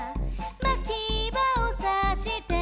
「まきばをさして」